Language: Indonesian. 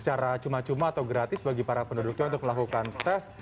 secara cuma cuma atau gratis bagi para penduduknya untuk melakukan tes